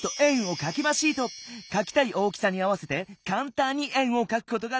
かきたい大きさに合わせてかんたんに円をかくことができるんだ。